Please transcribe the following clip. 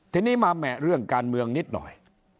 ทีนี้มาแหมะเรื่องการเมืองนิดหน่อย